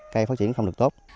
cây phát triển không được tốt